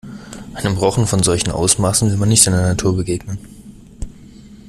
Einem Rochen von solchen Ausmaßen will man nicht in der Natur begegnen.